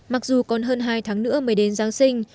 mặc dù còn hơn hai tháng nữa mới đến giáng sinh